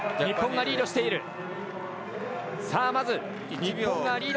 日本がリードしている。